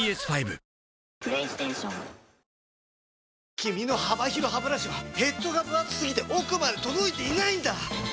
君の幅広ハブラシはヘッドがぶ厚すぎて奥まで届いていないんだ！